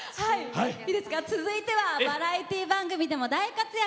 続いてはバラエティー番組でも大活躍